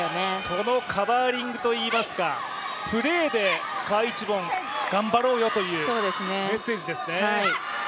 そのカバーリングといいますか、プレーで賈一凡頑張ろうよというメッセージですね。